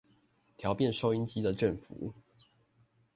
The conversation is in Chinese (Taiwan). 調變收音機的振幅